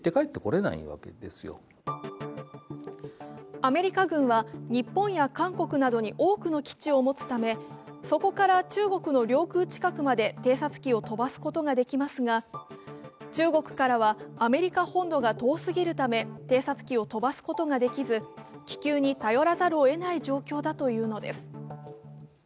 アメリカ軍は日本や韓国などに多くの基地を持つためそこから中国の領空近くまで偵察機を飛ばすことができますが中国からはアメリカ本土が遠すぎるため偵察機を飛ばすことができず気球に頼らざるをえない状況だというのです。